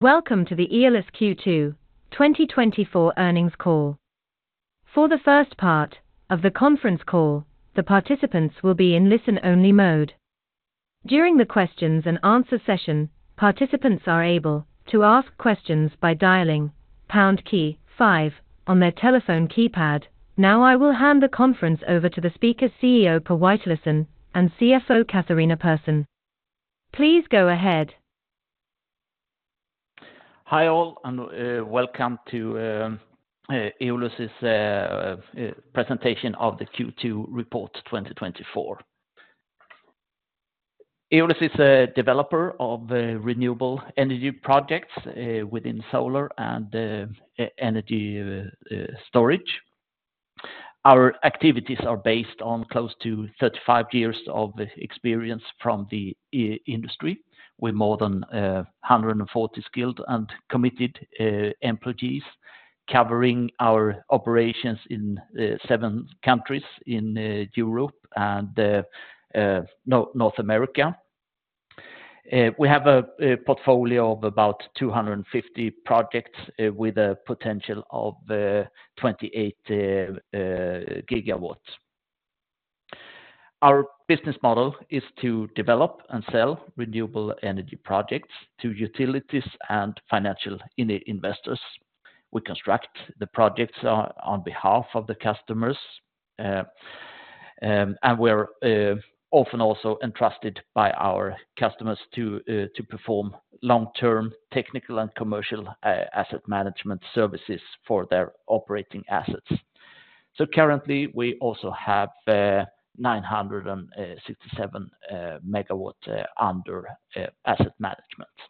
Welcome to the Eolus Q2 2024 Earnings Call. For the first part of the conference call, the participants will be in listen-only mode. During the questions and answer session, participants are able to ask questions by dialing pound key five on their telephone keypad. Now, I will hand the conference over to the speaker, CEO Per Witalisson, and CFO Catharina Persson. Please go ahead. Hi, all, and welcome to Eolus's presentation of the Q2 report 2024. Eolus is a developer of renewable energy projects within solar and energy storage. Our activities are based on close to 35 years of experience from the industry, with more than 140 skilled and committed employees, covering our operations in seven countries in Europe and North America. We have a portfolio of about 250 projects with a potential of 28 GW. Our business model is to develop and sell renewable energy projects to utilities and financial investors. We construct the projects on behalf of the customers, and we're often also entrusted by our customers to perform long-term technical and commercial asset management services for their operating assets. So currently, we also have 967 MW under asset management.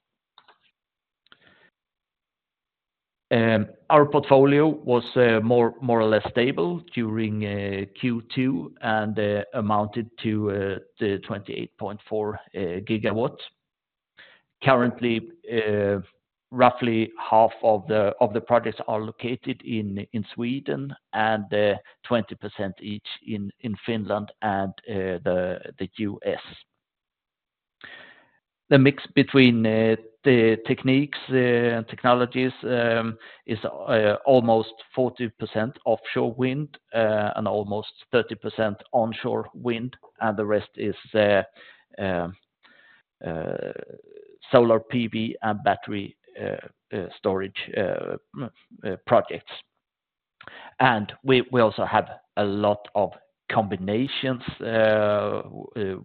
Our portfolio was more or less stable during Q2 and amounted to 28.4 GW. Currently, roughly half of the projects are located in Sweden and 20% each in Finland and the U.S. The mix between the techniques and technologies is almost 40% offshore wind and almost 30% onshore wind, and the rest is solar PV and battery storage projects. And we also have a lot of combinations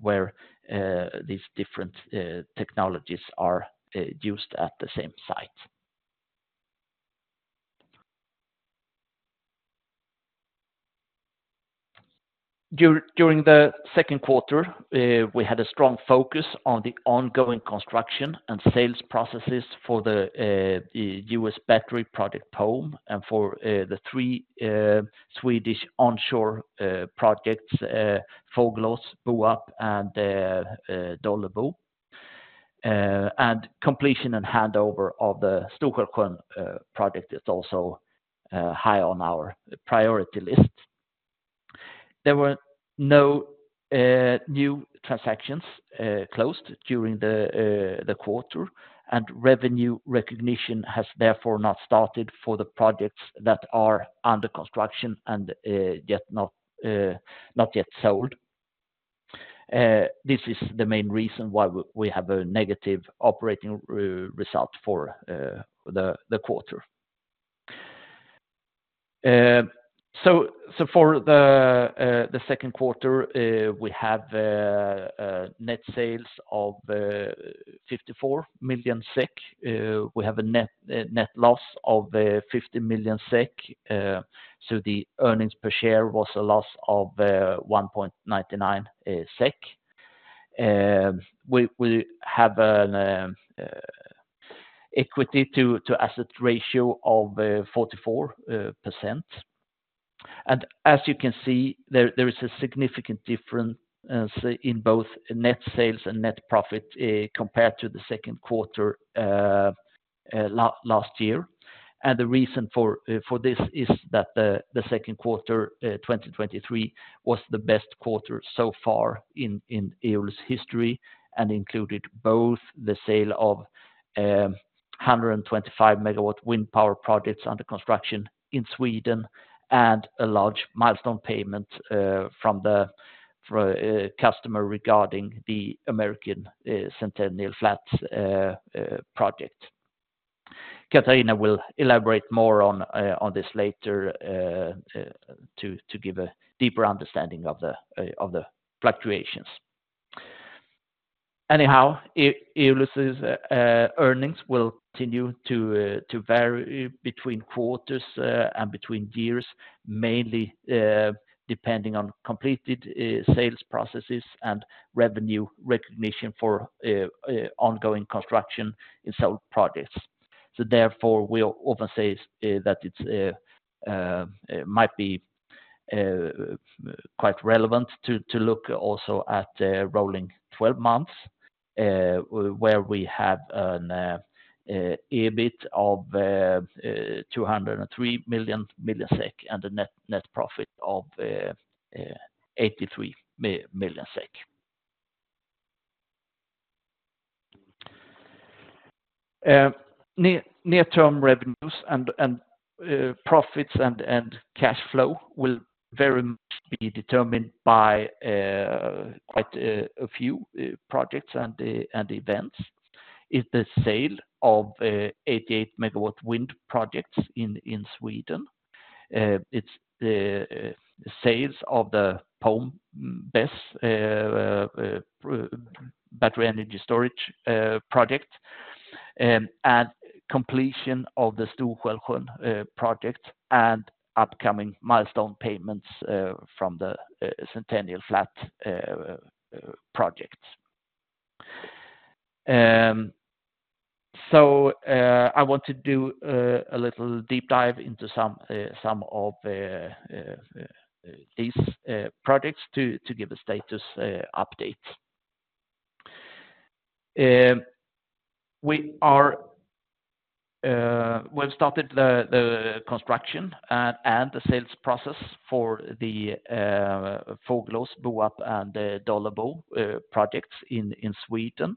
where these different technologies are used at the same site. During the second quarter, we had a strong focus on the ongoing construction and sales processes for the U.S. battery project, Pome, and for the three Swedish onshore projects, Fågelås, Boarp, and Dålebo. And completion and handover of the Stor-Skälsjön project is also high on our priority list. There were no new transactions closed during the quarter, and revenue recognition has therefore not started for the projects that are under construction and yet not yet sold. This is the main reason why we have a negative operating result for the quarter. So, for the second quarter, we have net sales of 54 million SEK. We have a net loss of 50 million SEK, so the earnings per share was a loss of SEK 1.99. We have an equity to asset ratio of 44%. And as you can see, there is a significant difference, so in both net sales and net profit, compared to the second quarter last year. The reason for this is that the second quarter 2023 was the best quarter so far in Eolus history, and included both the sale of 125 MW wind power projects under construction in Sweden and a large milestone payment from the customer regarding the American Centennial Flats project. Catharina will elaborate more on this later to give a deeper understanding of the fluctuations. Anyhow, Eolus's earnings will continue to vary between quarters and between years, mainly depending on completed sales processes and revenue recognition for ongoing construction in sold projects. Therefore, we'll often say that it's quite relevant to look also at rolling 12 months where we have an EBIT of 203 million and a net profit of 83 million SEK. Near-term revenues and profits and cash flow will very much be determined by quite a few projects and events. It's the sale of 88 MW wind projects in Sweden. It's sales of the Pome BESS battery energy storage project and completion of the Stor-Skälsjön project and upcoming milestone payments from the Centennial Flats projects. I want to do a little deep dive into some of these projects to give a status update. We have started the construction and the sales process for the Fågelås, Boarp, and Dålebo projects in Sweden.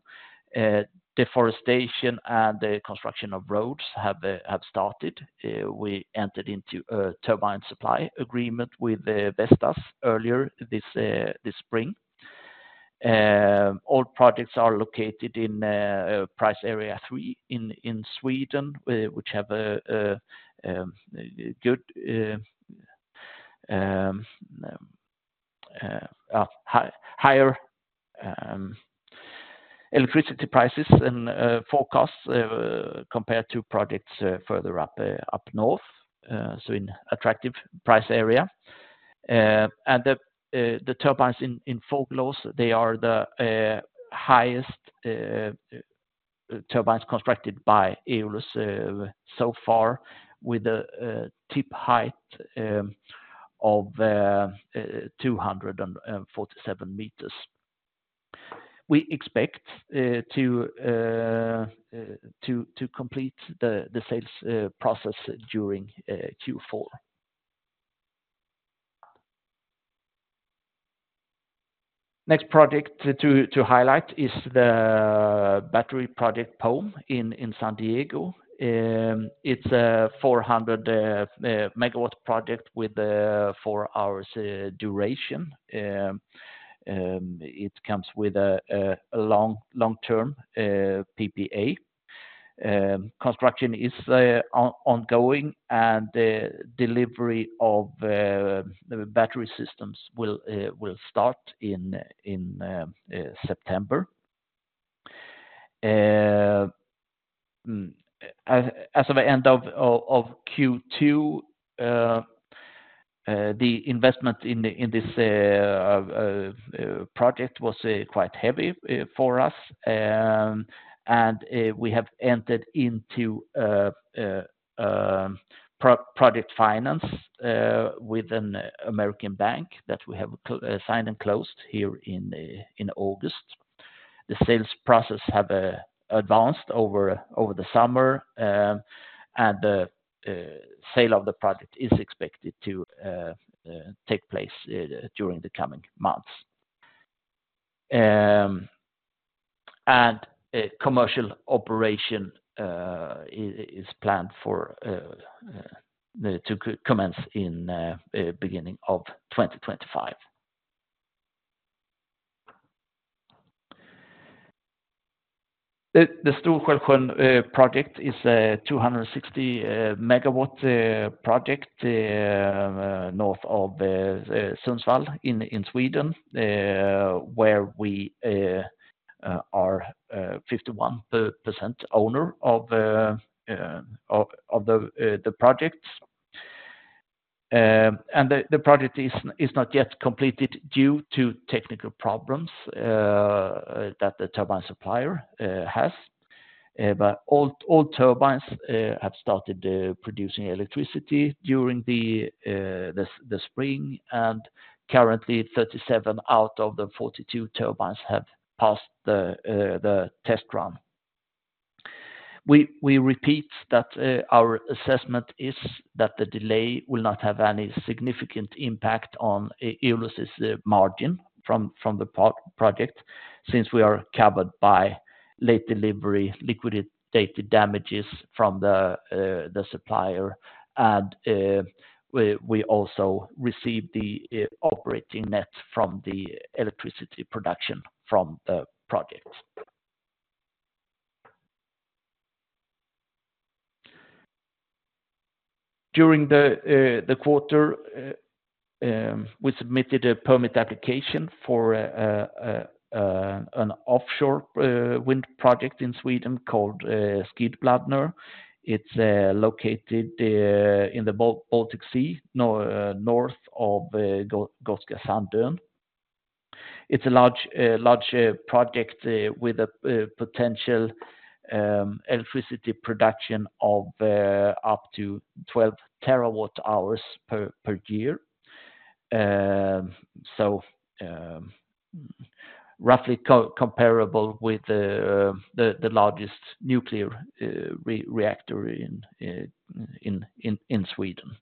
Deforestation and the construction of roads have started. We entered into a turbine supply agreement with Vestas earlier this spring. All projects are located in price area 3 in Sweden, which have good higher electricity prices and forecasts compared to projects further up north, so in attractive price area. And the turbines in Fågelås, they are the highest turbines constructed by Eolus so far, with a tip height of 247 m. We expect to complete the sales process during Q4. Next project to highlight is the battery project Pome in San Diego. It's a 400 MW project with four hours duration. It comes with a long-term PPA. Construction is ongoing, and the delivery of the battery systems will start in September. As of the end of Q2, the investment in this project was quite heavy for us. We have entered into project finance with an American bank that we have signed and closed here in August. The sales process have advanced over the summer, and the sale of the project is expected to take place during the coming months. A commercial operation is planned to commence in beginning of 2025. The Stor-Skälsjön project is a 260 MW project north of Sundsvall in Sweden, where we are 51% owner of the projects. The project is not yet completed due to technical problems that the turbine supplier has. But all turbines have started producing electricity during the spring, and currently, 37 out of the 42 turbines have passed the test run. We repeat that our assessment is that the delay will not have any significant impact on Eolus's margin from the project, since we are covered by late delivery, liquidated damages from the supplier, and we also received the operating net from the electricity production from the project. During the quarter, we submitted a permit application for an offshore wind project in Sweden called Skidbladner. It's located in the Baltic Sea, north of Gotska Sandön. It's a large project with a potential electricity production of up to 12 TW hours per year. So, roughly comparable with the largest nuclear reactor in Sweden.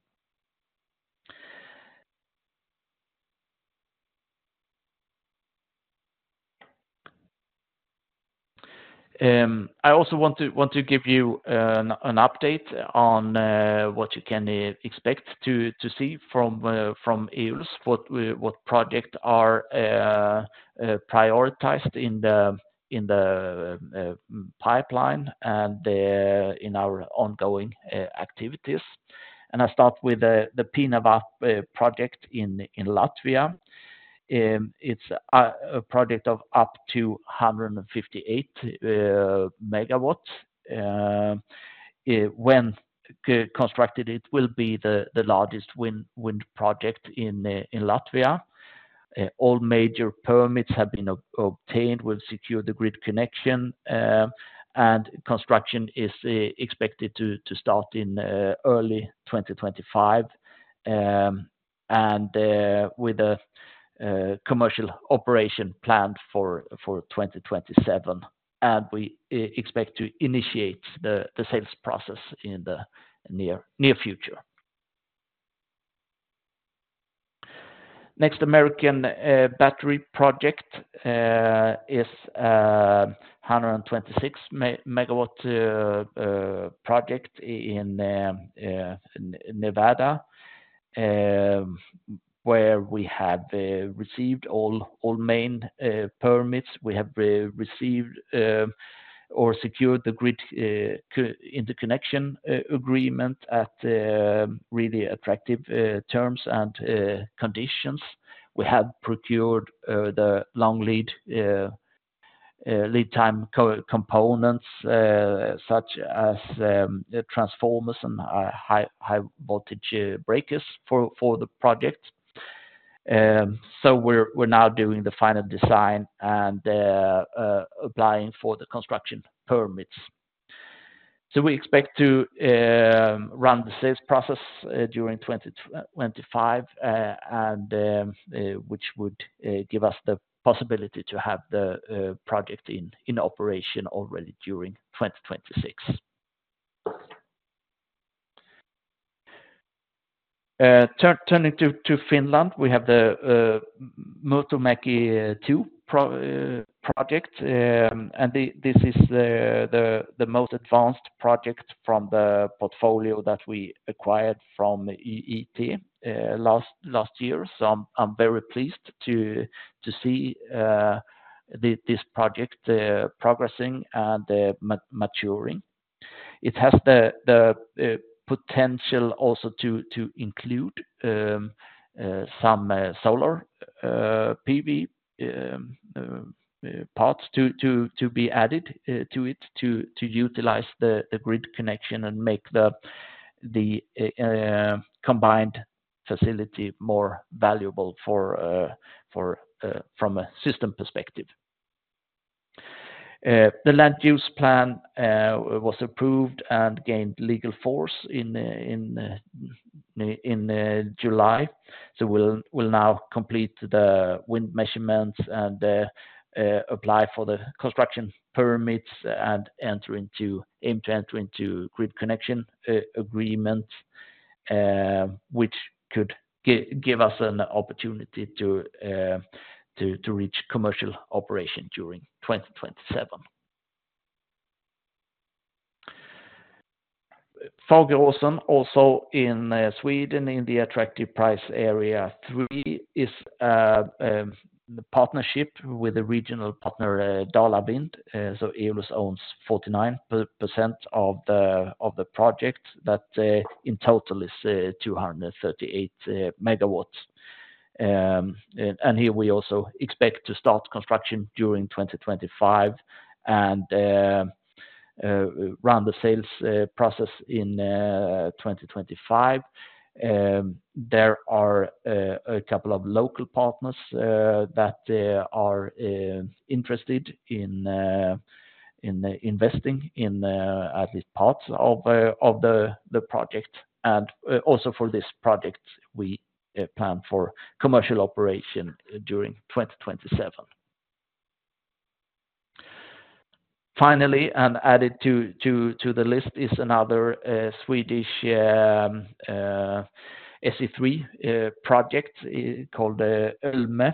I also want to give you an update on what you can expect to see from Eolus, what project are prioritized in the pipeline and in our ongoing activities. And I start with the Pienava project in Latvia. It's a project of up to 158 MW. When constructed, it will be the largest wind project in Latvia. All major permits have been obtained, we've secured the grid connection, and construction is expected to start in early 2025. With the commercial operation planned for 2027, and we expect to initiate the sales process in the near future. Next, American battery project is 126 MW project in Nevada, where we have received all main permits. We have received or secured the grid interconnection agreement at really attractive terms and conditions. We have procured the long lead time components, such as the transformers and high voltage breakers for the project. So we're now doing the final design and applying for the construction permits. So we expect to run the sales process during 2025, which would give us the possibility to have the project in operation already during 2026. Turning to Finland, we have the Murtomäki 2 project, and this is the most advanced project from the portfolio that we acquired from YIT last year. So I'm very pleased to see this project progressing and maturing. It has the potential also to include some solar PV parts to be added to it to utilize the grid connection and make the combined facility more valuable from a system perspective. The land use plan was approved and gained legal force in July. So we'll now complete the wind measurements and apply for the construction permits and aim to enter into grid connection agreement, which could give us an opportunity to reach commercial operation during 2027. Fageråsen, also in Sweden, in the attractive price area 3, is partnership with the regional partner, Dalavind. So Eolus owns 49% of the project that in total is 238 MW. And here we also expect to start construction during 2025 and run the sales process in 2025. There are a couple of local partners that are interested in investing in at least parts of the project. Also for this project, we plan for commercial operation during 2027. Finally, added to the list is another Swedish SE3 project called Ölme,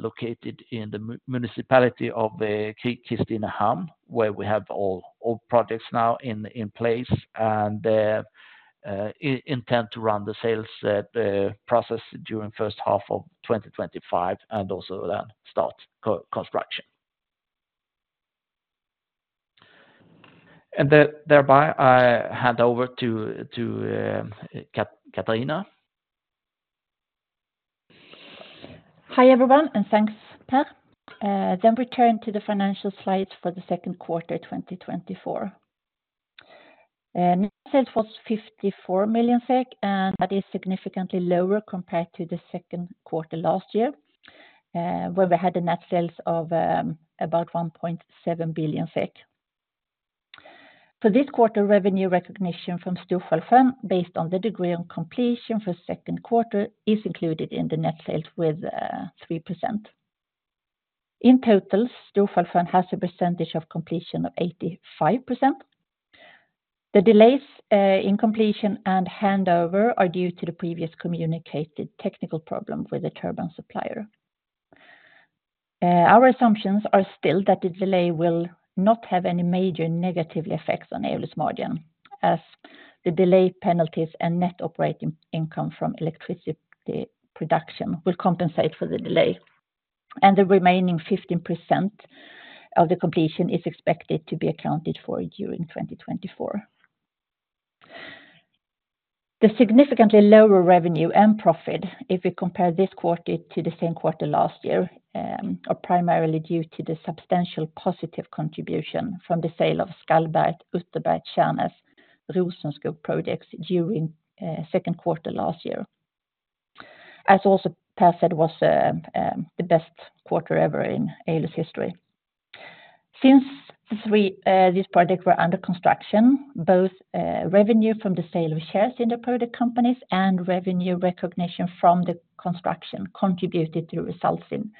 located in the municipality of Kristinehamn, where we have all projects now in place. I intend to run the sales process during first half of 2025, and also then start construction. Thereby, I hand over to Catharina. Hi, everyone, and thanks, Per. Then return to the financial slides for the second quarter, 2024. Net sales was 54 million SEK, and that is significantly lower compared to the second quarter last year, where we had net sales of about 1.7 billion SEK. For this quarter, revenue recognition from Stor-Skälsjön, based on the degree of completion for second quarter, is included in the net sales with 3%. In total, Stor-Skälsjön has a percentage of completion of 85%. The delays in completion and handover are due to the previous communicated technical problem with the turbine supplier. Our assumptions are still that the delay will not have any major negative effects on Eolus margin, as the delay penalties and net operating income from electricity production will compensate for the delay, and the remaining 15% of the completion is expected to be accounted for during 2024. The significantly lower revenue and profit, if we compare this quarter to the same quarter last year, are primarily due to the substantial positive contribution from the sale of Skallberget, Utterberget, Tjärnäs, Rosenskog projects during second quarter last year. As also Per said, was the best quarter ever in Eolus history. Since these projects were under construction, both revenue from the sale of shares in the project companies and revenue recognition from the construction contributed to results in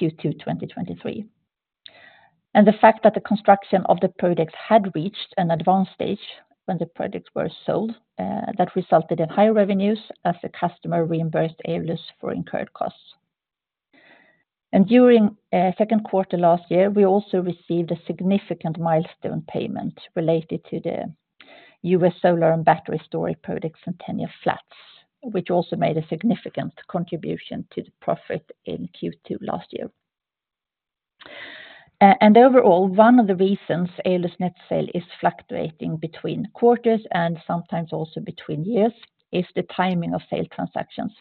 Q2 2023. The fact that the construction of the projects had reached an advanced stage when the projects were sold, that resulted in higher revenues as the customer reimbursed Eolus for incurred costs. During second quarter last year, we also received a significant milestone payment related to the U.S. solar and battery storage projects in Centennial Flats, which also made a significant contribution to the profit in Q2 last year. Overall, one of the reasons Eolus net sales is fluctuating between quarters and sometimes also between years is the timing of sale transactions.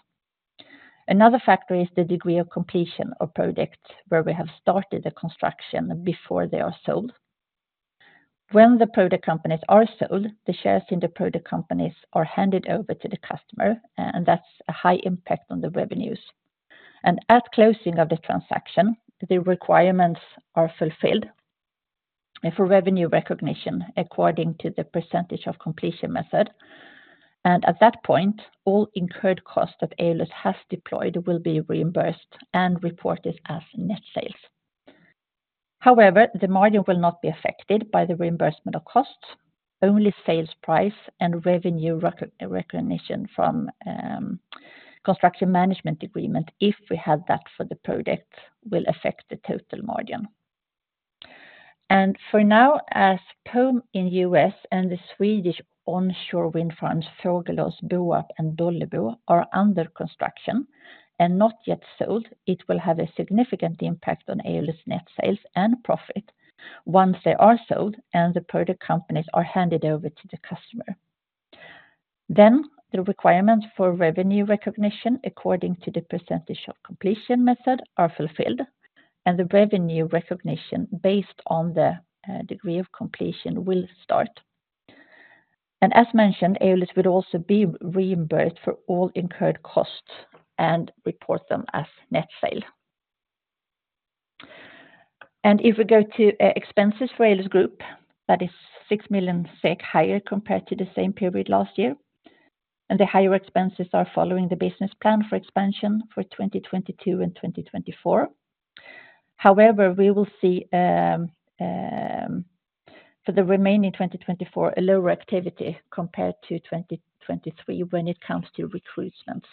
Another factor is the degree of completion of projects where we have started the construction before they are sold. When the project companies are sold, the shares in the project companies are handed over to the customer, and that's a high impact on the revenues. At closing of the transaction, the requirements are fulfilled for revenue recognition according to the percentage of completion method, and at that point, all incurred costs that Eolus has deployed will be reimbursed and reported as net sales. However, the margin will not be affected by the reimbursement of costs, only sales price and revenue recognition from construction management agreement, if we have that for the project, will affect the total margin. For now, as Pome in U.S. and the Swedish onshore wind farms, Fågelås, Boarp, and Dålebo, are under construction and not yet sold, it will have a significant impact on Eolus net sales and profit once they are sold and the project companies are handed over to the customer. Then, the requirements for revenue recognition, according to the percentage of completion method, are fulfilled, and the revenue recognition based on the degree of completion will start. And as mentioned, Eolus would also be reimbursed for all incurred costs and report them as net sale. And if we go to expenses for Eolus Group, that is 6 million SEK higher compared to the same period last year, and the higher expenses are following the business plan for expansion for 2022 and 2024. However, we will see for the remaining 2024, a lower activity compared to 2023 when it comes to recruitments.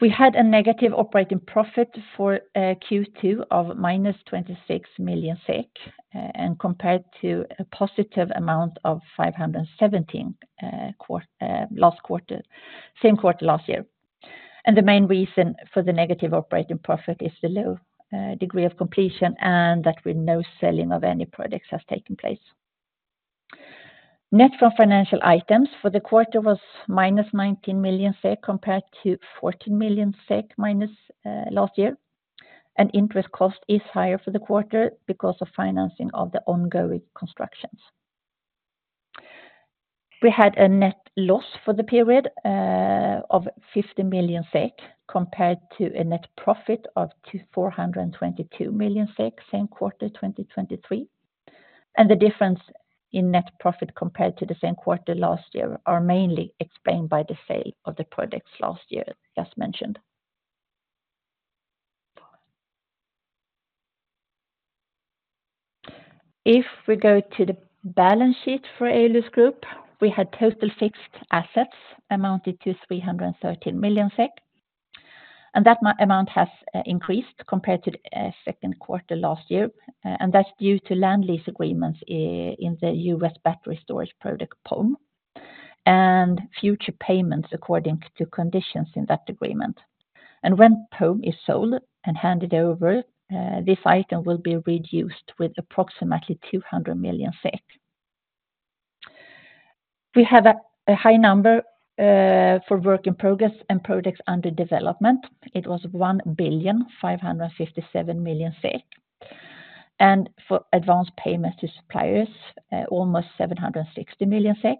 We had a negative operating profit for Q2 of -26 million SEK, and compared to a positive amount of 517 last quarter, same quarter last year. And the main reason for the negative operating profit is the low degree of completion, and that with no selling of any projects has taken place. Net from financial items for the quarter was -19 million SEK, compared to 14 million SEK minus last year, and interest cost is higher for the quarter because of financing of the ongoing constructions. We had a net loss for the period of 50 million SEK, compared to a net profit of 422 million SEK, same quarter 2023. And the difference in net profit compared to the same quarter last year are mainly explained by the sale of the projects last year, just mentioned. If we go to the balance sheet for Eolus Group, we had total fixed assets amounted to 313 million SEK, and that amount has increased compared to the second quarter last year, and that's due to land lease agreements in the U.S. battery storage project, Pome, and future payments according to conditions in that agreement. When Pome is sold and handed over, this item will be reduced with approximately 200 million SEK. We have a high number for work in progress and projects under development. It was 1,557,000,000 SEK, and for advance payment to suppliers, almost 760 million SEK,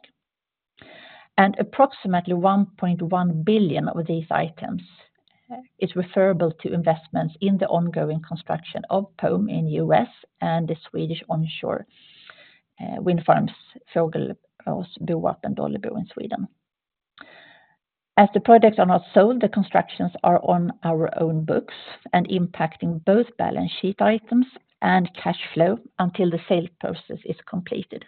and approximately 1.1 billion of these items is referable to investments in the ongoing construction of Pome in the U.S. and the Swedish onshore wind farms, Fågelås, Boarp, and Dålebo in Sweden. As the projects are not sold, the constructions are on our own books and impacting both balance sheet items and cash flow until the sale process is completed.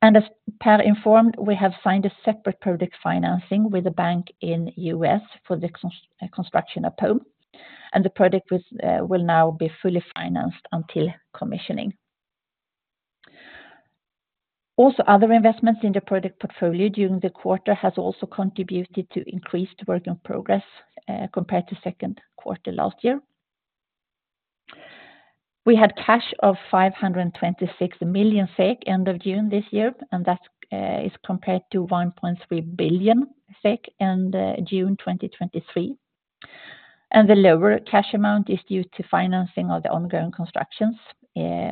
As Per informed, we have signed a separate project financing with a bank in the U.S. for the construction of Pome, and the project will now be fully financed until commissioning. Also, other investments in the project portfolio during the quarter has also contributed to increased work in progress compared to second quarter last year. We had cash of 526 million SEK end of June this year, and that is compared to 1.3 billion SEK in June 2023. The lower cash amount is due to financing of the ongoing constructions,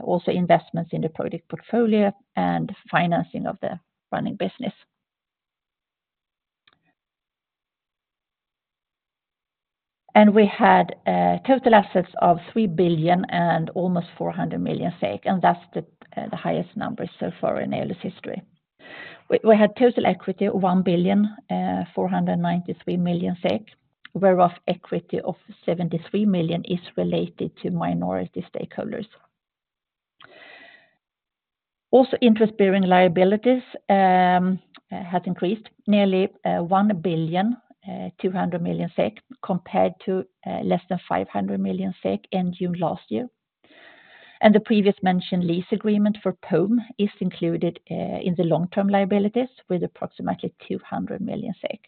also investments in the project portfolio and financing of the running business. We had total assets of 3 billion and almost 400 million, and that's the highest number so far in Eolus history. We had total equity of 1,493,000,000 SEK, whereof equity of 73 million is related to minority stakeholders. Also, interest-bearing liabilities has increased nearly 1,200,000,000 SEK compared to less than 500 million SEK in June last year. The previous mentioned lease agreement for Pome is included in the long-term liabilities with approximately 200 million SEK.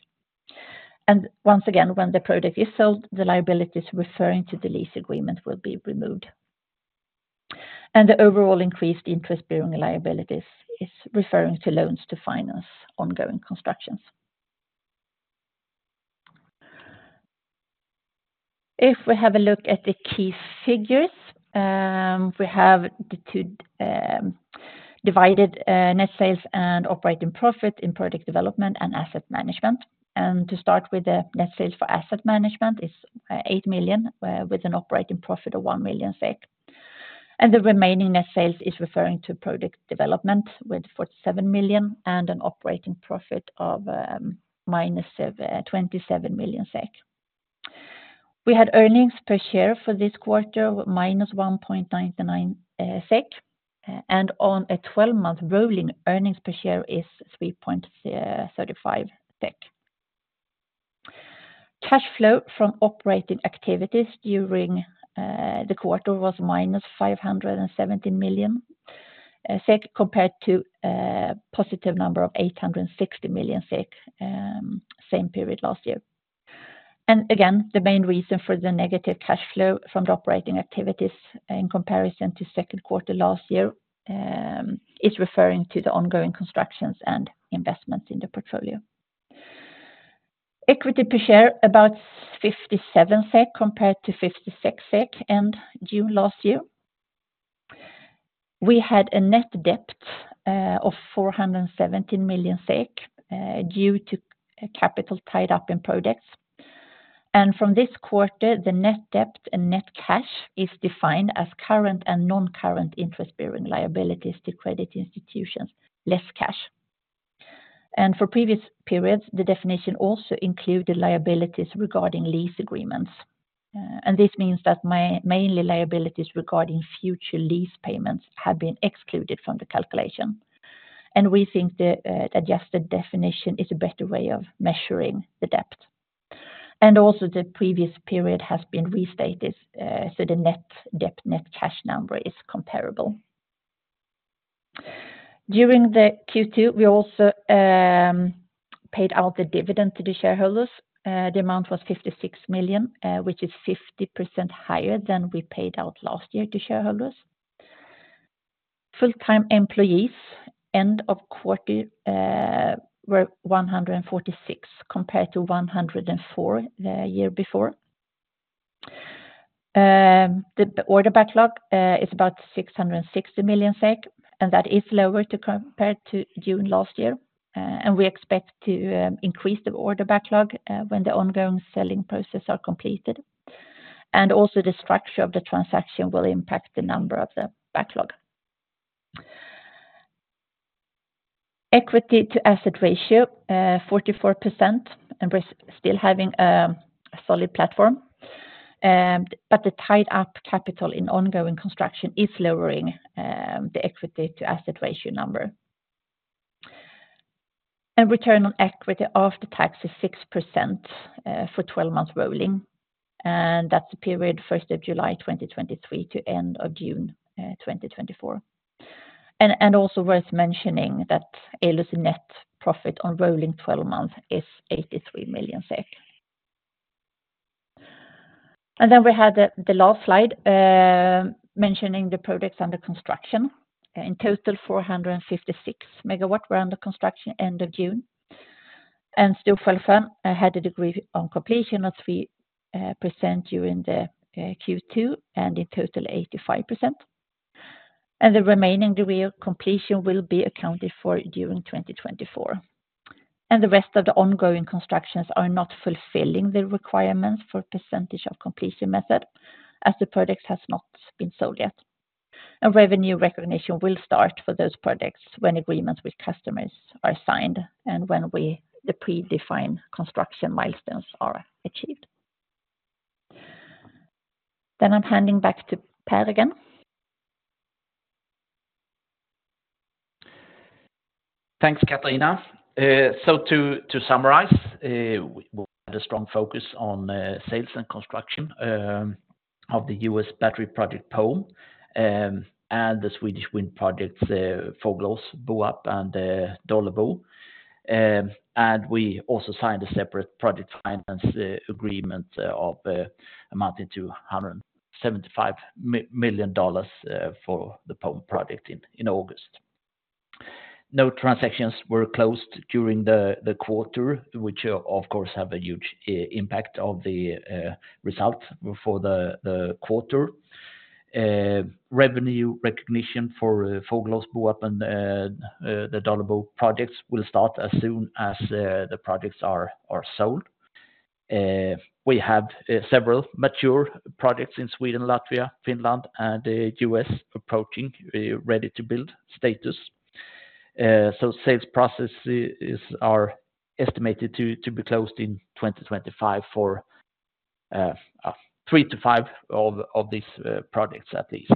And once again, when the product is sold, the liabilities referring to the lease agreement will be removed. And the overall increased interest-bearing liabilities is referring to loans to finance ongoing constructions. If we have a look at the key figures, we have the two divided net sales and operating profit in project development and asset management. And to start with, the net sales for asset management is 8 million with an operating profit of 1 million SEK. And the remaining net sales is referring to project development with 47 million and an operating profit of -27 million SEK. We had earnings per share for this quarter, -1.99 SEK, and on a 12-month rolling, earnings per share is 3.35. Cash flow from operating activities during the quarter was -570 million, compared to positive number of 860 million SEK same period last year. The main reason for the negative cash flow from the operating activities in comparison to second quarter last year is referring to the ongoing constructions and investments in the portfolio. Equity per share, about 57 SEK compared to 56 SEK in June last year. We had a net debt of 417 million SEK due to capital tied up in projects. From this quarter, the net debt and net cash is defined as current and non-current interest-bearing liabilities to credit institutions, less cash. For previous periods, the definition also included liabilities regarding lease agreements. This means that mainly, liabilities regarding future lease payments have been excluded from the calculation, and we think the adjusted definition is a better way of measuring the debt. Also, the previous period has been restated, so the net debt, net cash number is comparable. During the Q2, we also paid out the dividend to the shareholders. The amount was 56 million, which is 50% higher than we paid out last year to shareholders. Full-time employees, end of quarter, were 146, compared to 104 year before. The order backlog is about 660 million SEK, and that is lower to compared to June last year. And we expect to increase the order backlog when the ongoing selling process are completed. And also, the structure of the transaction will impact the number of the backlog. Equity to asset ratio 44%, and we're still having a solid platform, but the tied up capital in ongoing construction is lowering the equity to asset ratio number. And return on equity after tax is 6% for 12 months rolling, and that's the period first of July 2023 to end of June 2024. And also worth mentioning that Eolus net profit on rolling 12 months is 83 million SEK. And then we have the last slide mentioning the projects under construction. In total, 456 MW were under construction end of June, and Stor-Skälsjön had a degree of completion of 3% during Q2, and in total 85%. The remaining degree of completion will be accounted for during 2024. The rest of the ongoing constructions are not fulfilling the requirements for percentage of completion method, as the projects have not been sold yet, and revenue recognition will start for those projects when agreements with customers are signed, and when the predefined construction milestones are achieved. Then I'm handing back to Per again. Thanks, Catharina. So to summarize, we've had a strong focus on sales and construction of the U.S. battery project, Pome, and the Swedish wind projects, Fågelås and Dålebo. And we also signed a separate project finance agreement amounting to $175 million for the Pome project in August. No transactions were closed during the quarter, which of course have a huge impact on the result for the quarter. Revenue recognition for Fågelås and the Dålebo projects will start as soon as the projects are sold. We have several mature projects in Sweden, Latvia, Finland, and the U.S. approaching ready-to-build status. So sales processes is, are estimated to be closed in 2025 for three to five of these projects at least.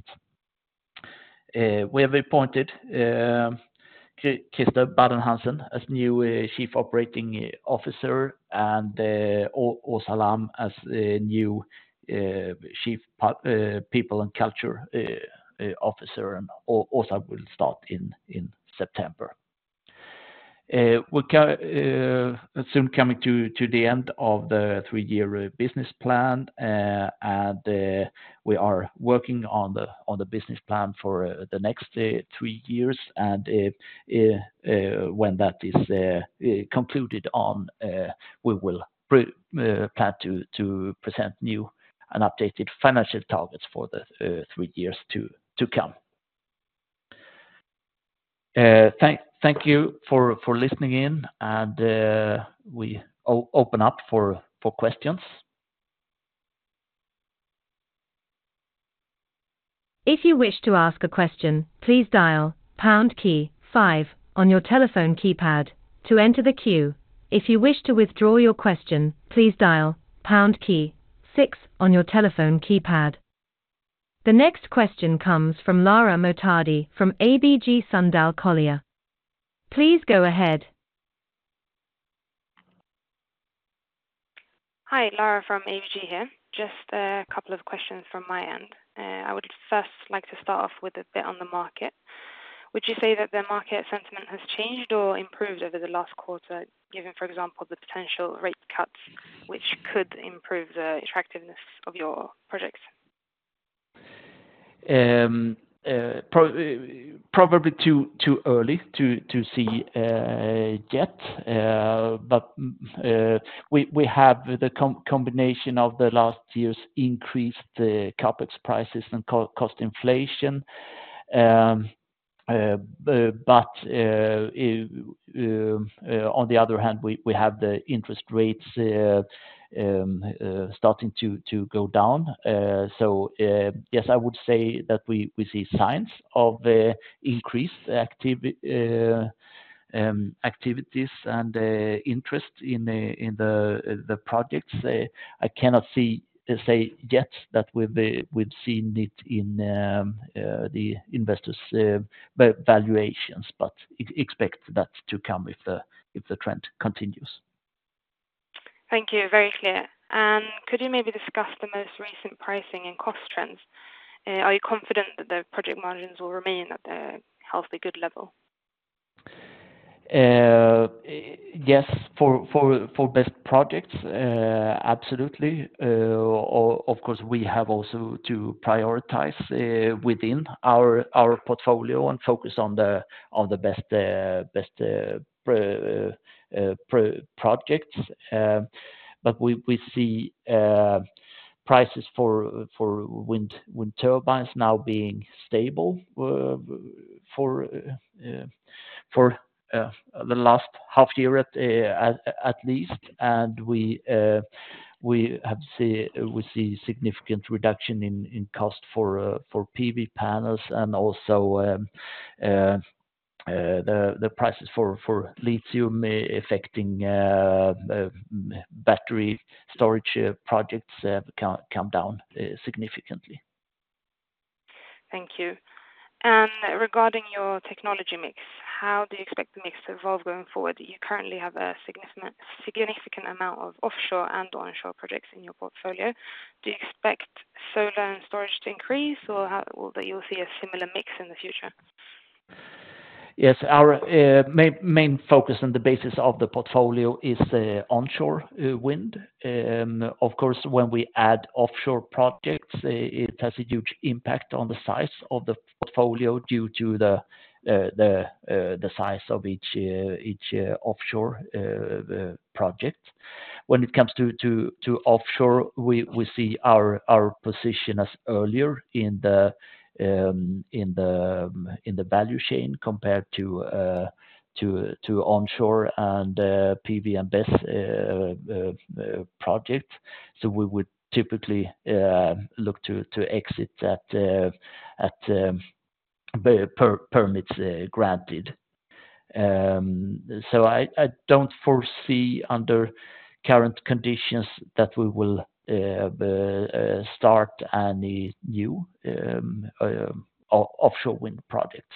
We have appointed Christer Baden Hansen as new Chief Operating Officer, and Åsa Lamm as the new Chief People and Culture Officer, and Åsa will start in September. We are soon coming to the end of the three-year business plan, and we are working on the business plan for the next three years, and when that is concluded, we will plan to present new and updated financial targets for the three years to come. Thank you for listening in, and we open up for questions. If you wish to ask a question, please dial pound key five on your telephone keypad to enter the queue. If you wish to withdraw your question, please dial pound key six on your telephone keypad. The next question comes from Lara Mohtadi from ABG Sundal Collier. Please go ahead. Hi, Lara from ABG here. Just a couple of questions from my end. I would first like to start off with a bit on the market. Would you say that the market sentiment has changed or improved over the last quarter, given, for example, the potential rate cuts, which could improve the attractiveness of your projects? Probably too early to see yet. But we have the combination of last year's increased CapEx prices and cost inflation. But on the other hand, we have the interest rates starting to go down. So yes, I would say that we see signs of the increased activities and interest in the projects. I cannot say yet that we've seen it in the investors' valuations, but expect that to come if the trend continues. Thank you. Very clear. And could you maybe discuss the most recent pricing and cost trends? Are you confident that the project margins will remain at a healthy, good level? Yes, for best projects, absolutely. Of course, we have also to prioritize within our portfolio and focus on the best projects. But we see prices for wind turbines now being stable for the last half year at least, and we see significant reduction in cost for PV panels and also the prices for lithium affecting battery storage projects come down significantly. Thank you. And regarding your technology mix, how do you expect the mix to evolve going forward? You currently have a significant, significant amount of offshore and onshore projects in your portfolio. Do you expect solar and storage to increase, or how will you see a similar mix in the future? Yes, our main focus on the basis of the portfolio is onshore wind. Of course, when we add offshore projects, it has a huge impact on the size of the portfolio due to the size of each offshore project. When it comes to offshore, we see our position as earlier in the value chain compared to onshore and PV and BESS project. So we would typically look to exit that at permits granted. So I don't foresee under current conditions that we will start any new offshore wind projects.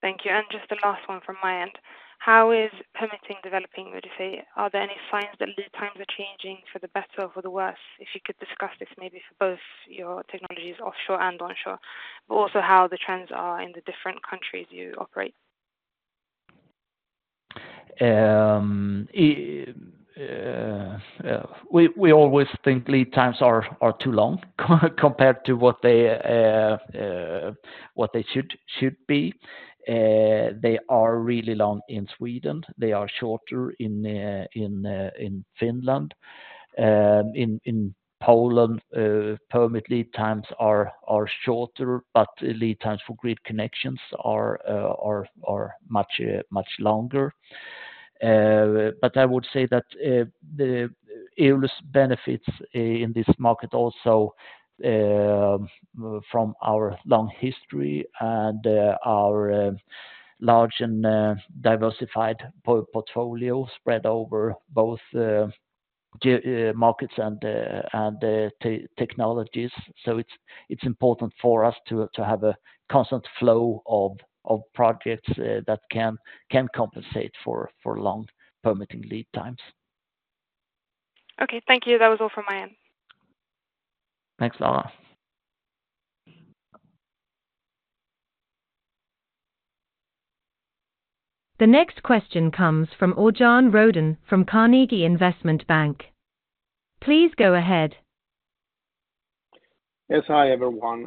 Thank you, and just the last one from my end. How is permitting developing, would you say? Are there any signs that lead times are changing for the better or for the worse? If you could discuss this maybe for both your technologies, offshore and onshore, but also how the trends are in the different countries you operate. We always think lead times are too long, compared to what they should be. They are really long in Sweden. They are shorter in Finland. In Poland, permit lead times are shorter, but lead times for grid connections are much longer. But I would say that Eolus benefits in this market also from our long history and our large and diversified portfolio spread over both markets and technologies. So it's important for us to have a constant flow of projects that can compensate for long permitting lead times. Okay, thank you. That was all from my end. Thanks, Laura. The next question comes from Örjan Rödén from Carnegie Investment Bank. Please go ahead. Yes, hi, everyone.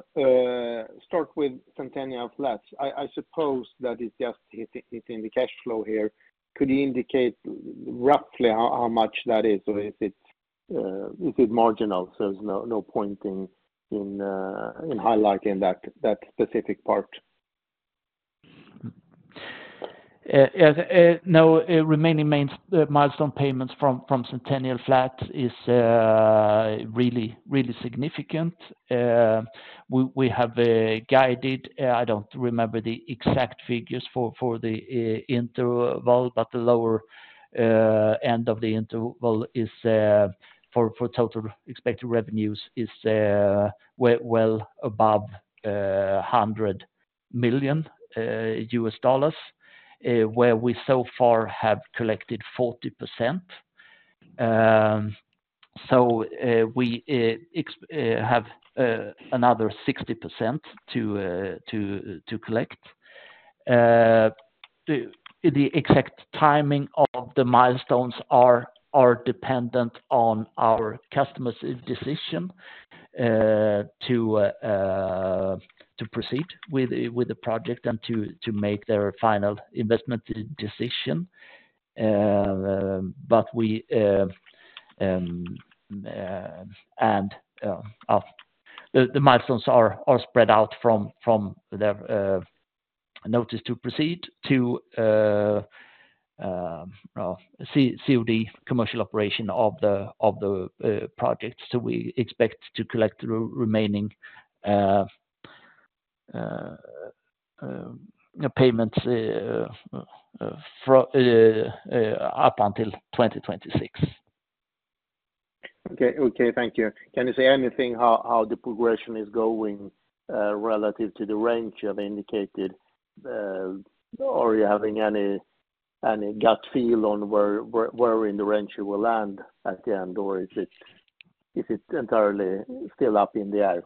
Start with Centennial Flats. I suppose that it's just it, it's in the cash flow here. Could you indicate roughly how much that is, or if it's marginal, so there's no point in highlighting that specific part? The remaining main milestone payments from Centennial Flats is really significant. We have guided. I don't remember the exact figures for the interval, but the lower end of the interval is for total expected revenues is well above $100 million, where we so far have collected 40%. So, we have another 60% to collect. The exact timing of the milestones are dependent on our customer's decision to proceed with the project and to make their final investment decision. The milestones are spread out from their notice to proceed to COD, commercial operation of the projects. We expect to collect the remaining payments up until 2026. Okay. Okay, thank you. Can you say anything how the progression is going relative to the range you have indicated? Or are you having any gut feel on where in the range you will land at the end, or is it entirely still up in the air?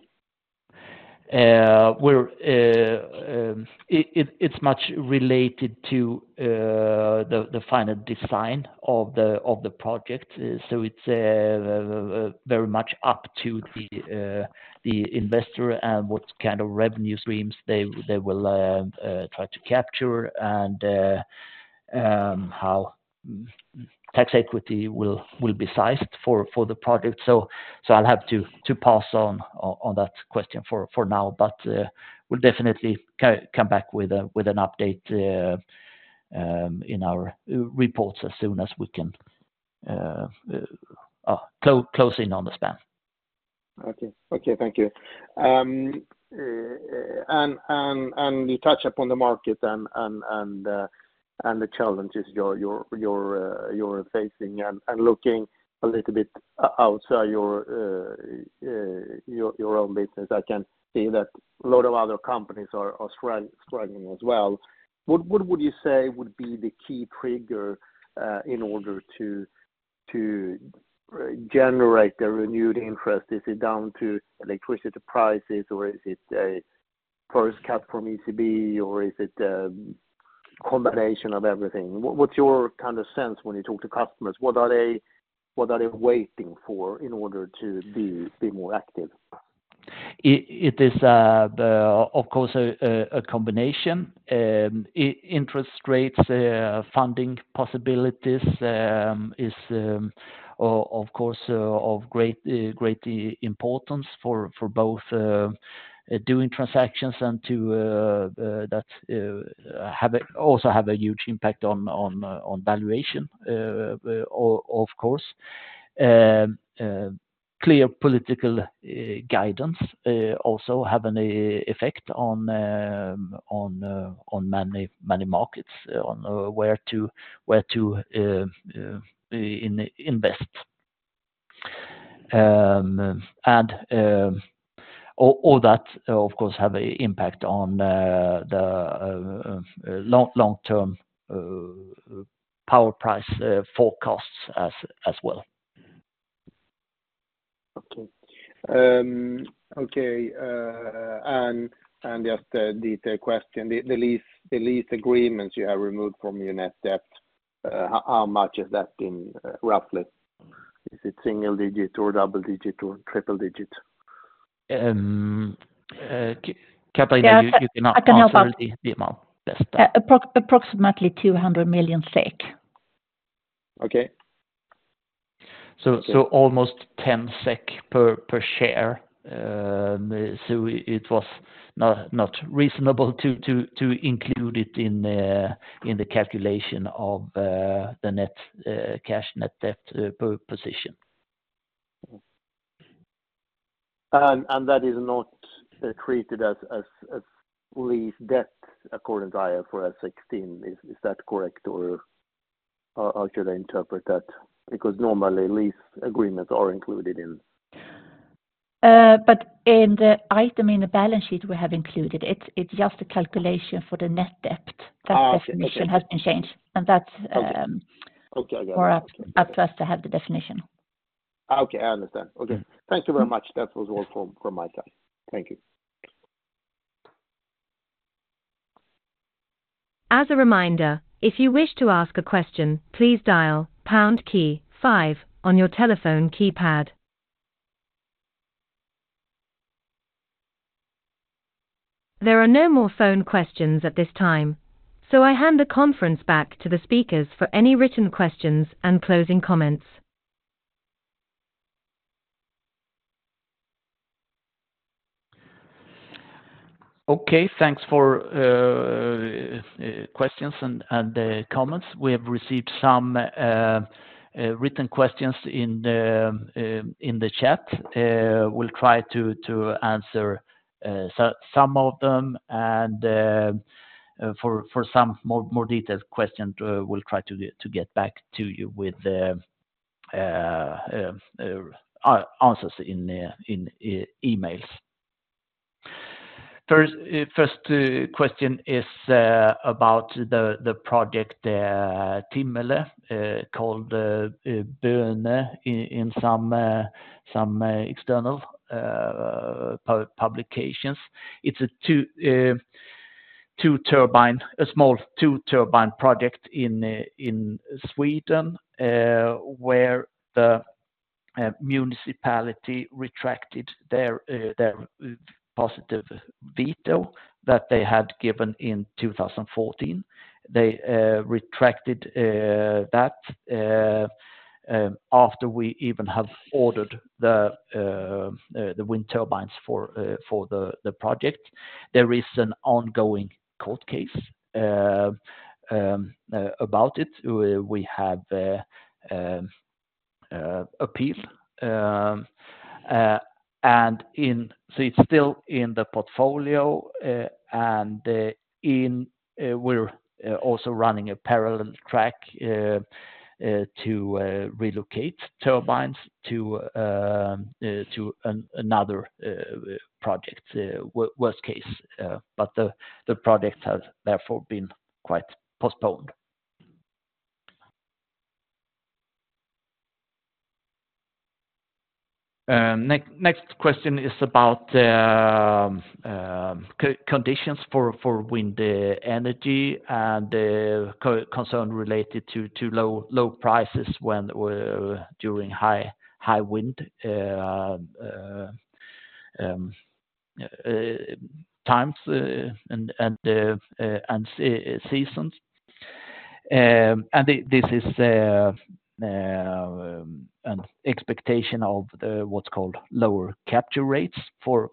It's much related to the final design of the project. So it's very much up to the investor and what kind of revenue streams they will try to capture, and how tax equity will be sized for the project. So I'll have to pass on that question for now, but we'll definitely come back with an update in our reports as soon as we can close in on the span. Okay. Okay, thank you. And you touch upon the market and the challenges you're facing and looking a little bit outside your own business. I can see that a lot of other companies are struggling as well. What would you say would be the key trigger in order to generate a renewed interest? Is it down to electricity prices, or is it a first cut from ECB, or is it a combination of everything? What's your kind of sense when you talk to customers? What are they waiting for in order to be more active? It is, of course, a combination. Interest rates, funding possibilities, is, of course, of great importance for both doing transactions and that also have a huge impact on valuation, of course. Clear political guidance also have an effect on many markets, on where to invest. And all that, of course, have a impact on the long-term power price forecasts as well. Okay. And just a detailed question, the lease agreements you have removed from your net debt, how much has that been, roughly? Is it single digit or double digit or triple digit? Catharina, you can answer- I can help out. The amount is. Approximately 200 million SEK. Okay. Almost 10 SEK per share. It was not reasonable to include it in the calculation of the net cash net debt per position. That is not treated as lease debt according to IFRS 16. Is that correct, or how should I interpret that? Because normally lease agreements are included in... But in the item in the balance sheet, we have included it. It's just a calculation for the net debt. Ah, okay. That definition has been changed, and that's. Okay. Okay, I got it. Up to us to have the definition. Okay, I understand. Okay. Thank you very much. That was all from my time. Thank you. As a reminder, if you wish to ask a question, please dial pound key five on your telephone keypad. There are no more phone questions at this time, so I hand the conference back to the speakers for any written questions and closing comments. Okay. Thanks for questions and comments. We have received some written questions in the chat. We'll try to answer some of them, and for some more detailed questions, we'll try to get back to you with the answers in emails. First question is about the project Timmele, called Böne in some external publications. It's a small two turbine project in Sweden, where the municipality retracted their positive veto that they had given in 2014. They retracted that after we even have ordered the wind turbines for the project. There is an ongoing court case about it. We have appeal and so it's still in the portfolio, and we're also running a parallel track to relocate turbines to another project worst case, but the project has therefore been quite postponed. Next question is about the conditions for wind energy and concern related to low prices when during high wind times and seasons. This is an expectation of the, what's called lower capture rates for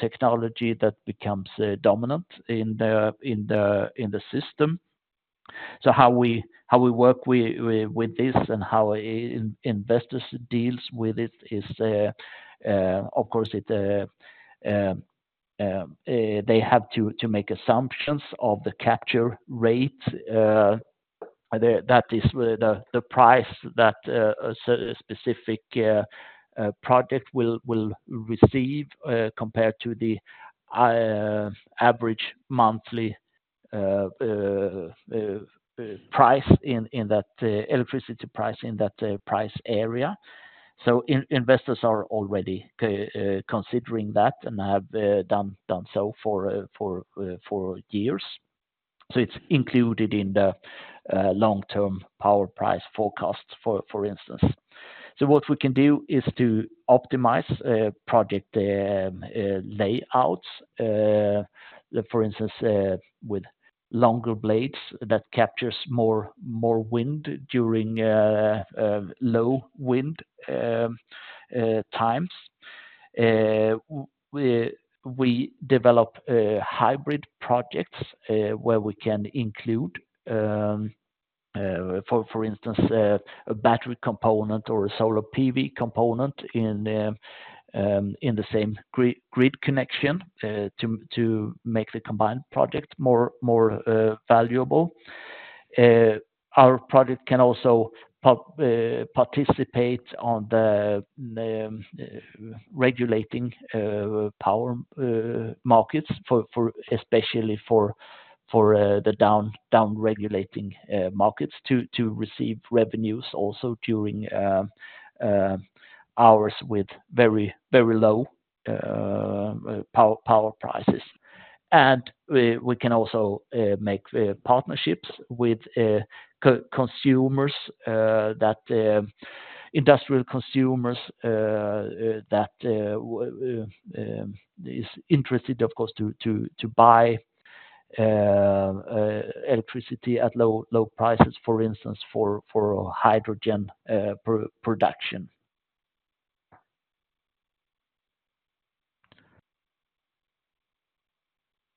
technology that becomes dominant in the system. So how we work with this and how investors deals with it is, of course, they have to make assumptions of the capture rate that is the price that a specific project will receive compared to the average monthly price in that electricity price in that price area. So investors are already considering that and have done so for years. So it's included in the long-term power price forecast, for instance. So what we can do is to optimize project layouts, for instance, with longer blades that captures more wind during low wind times. We develop hybrid projects, where we can include, for instance, a battery component or a solar PV component in the same grid connection, to make the combined project more valuable. Our project can also participate on the regulating power markets for especially the down-regulating markets to receive revenues also during hours with very low power prices. And we can also make partnerships with co-consumers that is interested, of course, to buy electricity at low prices, for instance, for hydrogen production.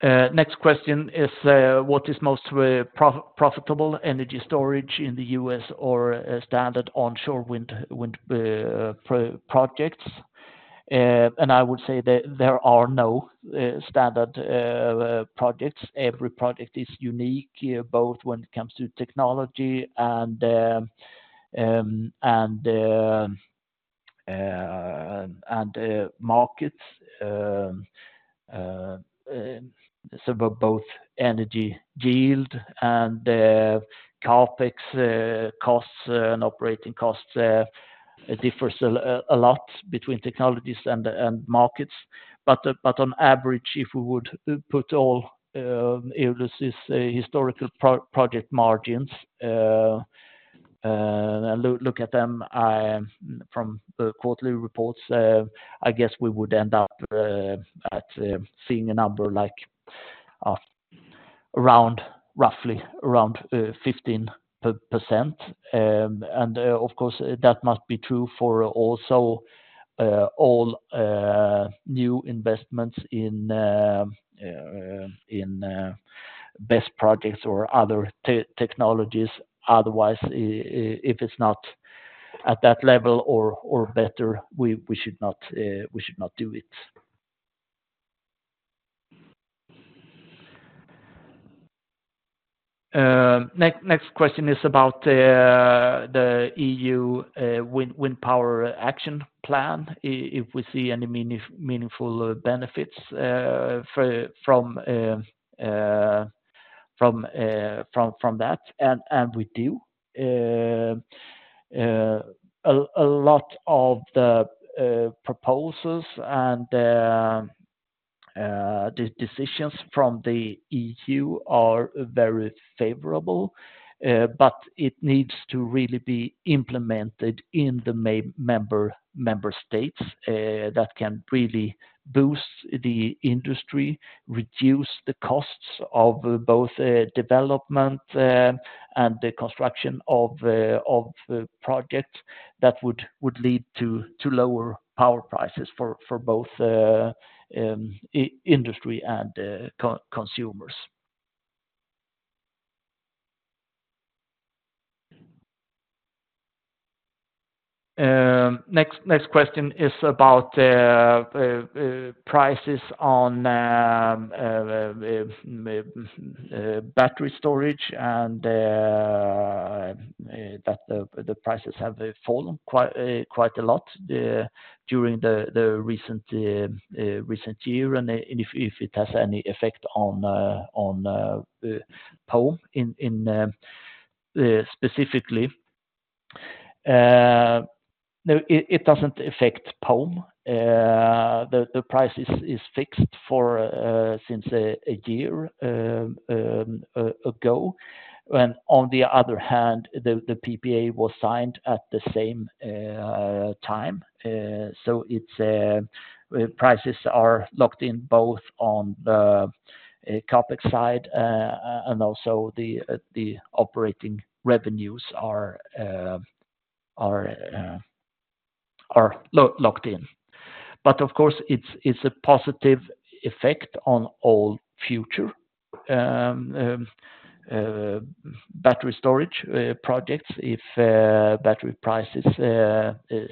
Next question is, what is most profitable energy storage in the U.S. or standard onshore wind projects? And I would say there are no standard projects. Every project is unique, both when it comes to technology and the markets. So both energy yield and CapEx costs and operating costs differs a lot between technologies and markets. But on average, if we would put all Eolus's historical project margins and look at them from the quarterly reports, I guess we would end up at seeing a number like around roughly around 15%. And, of course, that must be true for also all new investments in best projects or other technologies. Otherwise, if it's not at that level or better, we should not do it. Next question is about the EU Wind Power Action Plan. If we see any meaningful benefits from that, and we do. A lot of the proposals and the decisions from the EU are very favorable, but it needs to really be implemented in the member states that can really boost the industry, reduce the costs of both development and the construction of projects that would lead to lower power prices for both industry and consumers. Next question is about prices on battery storage, and that the prices have fallen quite a lot during the recent year, and if it has any effect on Pome specifically. No, it doesn't affect Pome. The price is fixed for since a year ago. When on the other hand, the PPA was signed at the same time. So it's prices are locked in both on the CapEx side and also the operating revenues are locked in. But of course, it's a positive effect on all future battery storage projects, if battery prices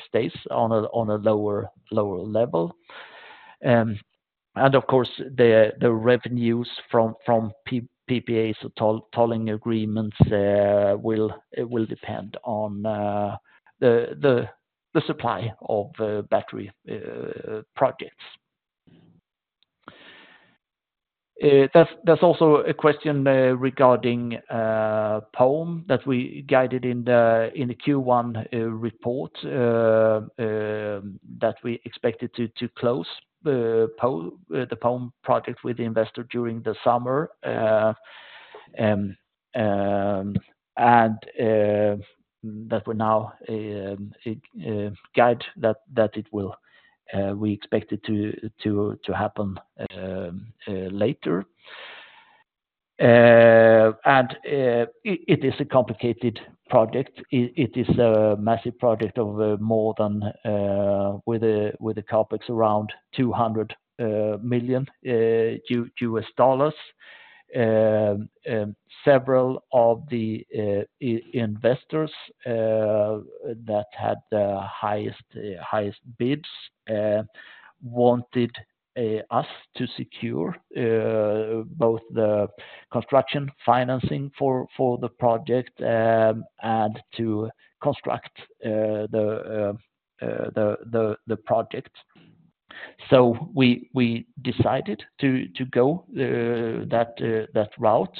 stays on a lower level. And of course, the revenues from PPAs to tolling agreements will depend on the supply of battery projects. There's also a question regarding Pome that we guided in the Q1 report that we expected to close the Pome project with the investor during the summer. And that we're now guiding that we expect it to happen later. It is a complicated project. It is a massive project of more than with a CapEx around $200 million. Several of the investors that had the highest bids wanted us to secure both the construction financing for the project and to construct the project. We decided to go that route,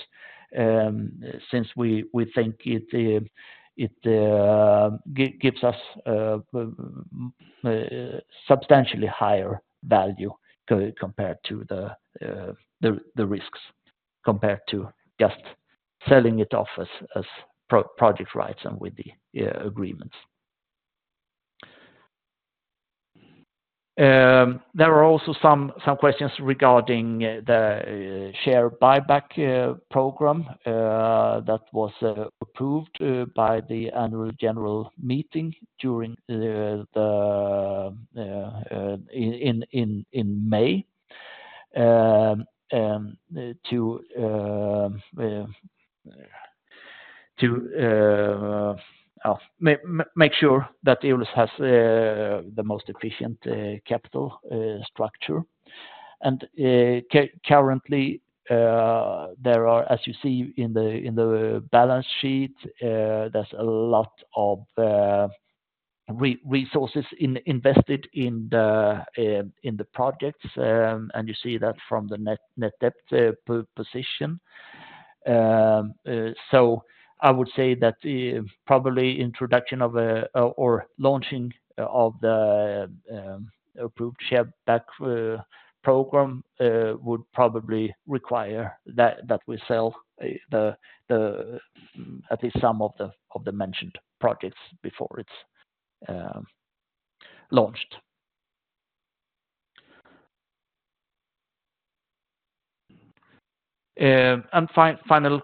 since we think it gives us substantially higher value compared to the risks, compared to just selling it off as project rights and with the agreements. There are also some questions regarding the share buyback program that was approved by the annual general meeting in May to make sure that Eolus has the most efficient capital structure. Currently, there are, as you see in the balance sheet, there's a lot of resources invested in the projects, and you see that from the net debt position. So I would say that probably introduction of a or launching of the approved share back program would probably require that we sell at least some of the mentioned projects before it's launched. The final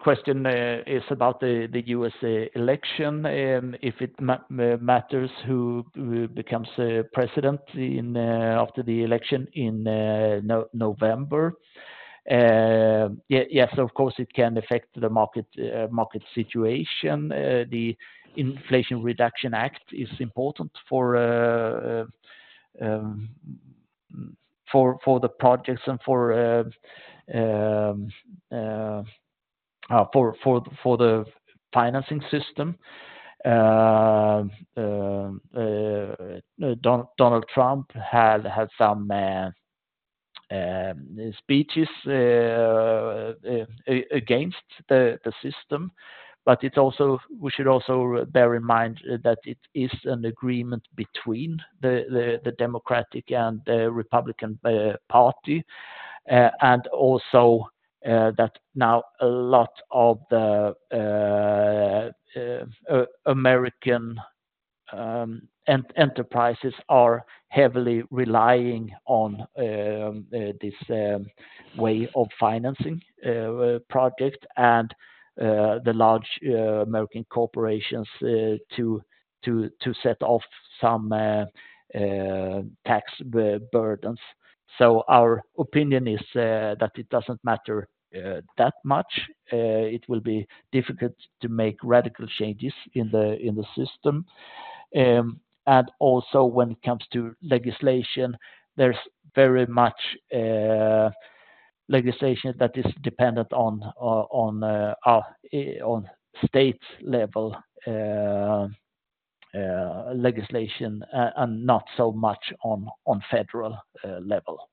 question is about the U.S. election, if it matters who becomes president after the election in November. Yeah, yes, of course, it can affect the market situation. The Inflation Reduction Act is important for the projects and for the financing system. Donald Trump had some speeches against the system, but it also. We should also bear in mind that it is an agreement between the Democratic and the Republican party, and also that now a lot of the American enterprises are heavily relying on this way of financing project and the large American corporations to set off some tax burdens, so our opinion is that it doesn't matter that much. It will be difficult to make radical changes in the system. And also, when it comes to legislation, there's very much legislation that is dependent on state level legislation, and not so much on federal level.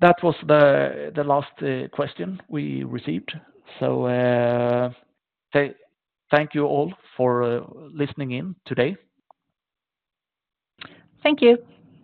That was the last question we received. So, thank you all for listening in today. Thank you!